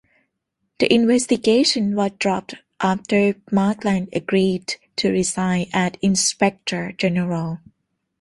The investigation was dropped after Markland agreed to resign as inspector general.